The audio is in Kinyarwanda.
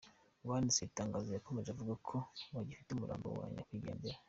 Uwanditse iri tangazo yakomeje avuga ko “bagifite umurambo wa nyakwigendera.